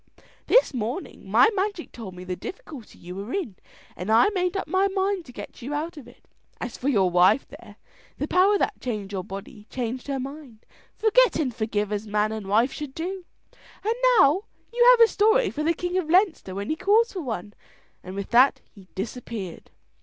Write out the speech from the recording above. This morning my magic told me the difficulty you were in, and I made up my mind to get you out of it. As for your wife there, the power that changed your body changed her mind. Forget and forgive as man and wife should do, and now you have a story for the King of Leinster when he calls for one;" and with that he disappeared.